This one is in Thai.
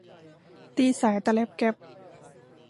ตีสายตะแล็ปแก็ป